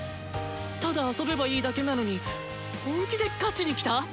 ただ遊べばいいだけなのに本気で「勝ち」にきた！